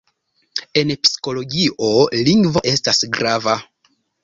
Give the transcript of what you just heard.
En psikologio lingvo estas grava.